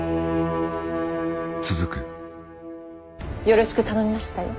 よろしく頼みましたよ。